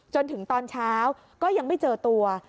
จนถึงตอนเช้าก็ยังไม่เจอตัว